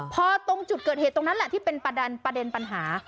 พอตรงจุดเกิดเหตุตรงนั้นแหละที่เป็นประเด็นปัญหา